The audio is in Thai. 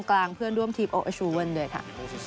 กลางเพื่อนร่วมทีมโอเอชูเวิลด้วยค่ะ